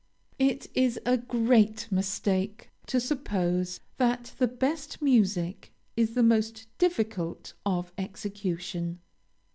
It is a great mistake to suppose that the best music is the most difficult of execution.